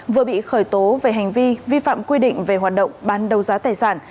vừa bị khởi tố về hành vi vi phạm quy định về hoạt động bán đấu giá tài sản